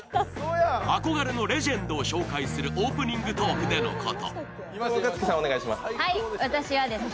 憧れのレジェンドを紹介するオープニングトークでのこと。